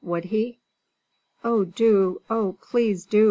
would he? "Oh, do! oh, please do!"